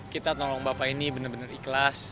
kita nolong bapak ini bener bener ikhlas